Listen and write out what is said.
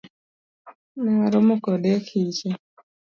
Newaromo kode e kiche.